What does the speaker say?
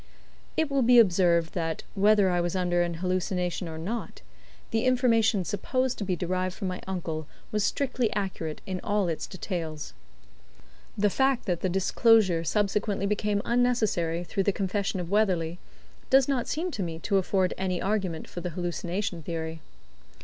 It will be observed that, whether I was under an hallucination or not, the information supposed to be derived from my uncle was strictly accurate in all its details. The fact that the disclosure subsequently became unnecessary through the confession of Weatherley does not seem to me to afford any argument for the hallucination theory.